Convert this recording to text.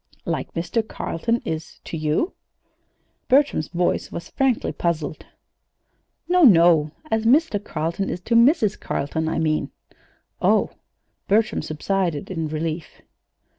"Like Mr. Carleton is to you?" Bertram's voice was frankly puzzled. "No, no! As Mr. Carleton is to Mrs. Carleton, I mean." "Oh!" Bertram subsided in relief.